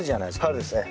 春ですね。